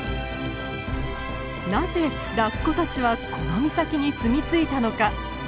なぜラッコたちはこの岬にすみ着いたのか？